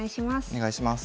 お願いします。